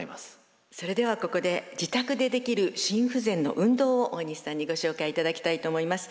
それではここで自宅でできる心不全の運動を大西さんにご紹介いただきたいと思います。